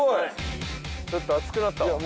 ちょっと熱くなったわ。